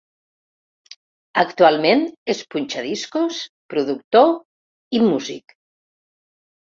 Actualment és punxadiscos, productor i músic.